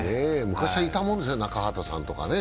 昔はいたもんですよ、中畑さんとか。